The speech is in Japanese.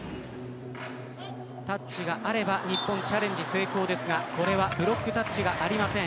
タッチがあれば日本チャレンジ成功ですがこれはブロックタッチがありません。